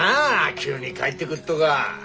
急に帰ってくっとが。